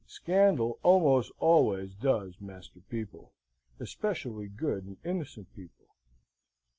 Scandal almost always does master people; especially good and innocent people.